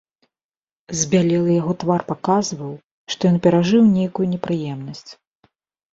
Збялелы яго твар паказваў, што ён перажыў нейкую непрыемнасць.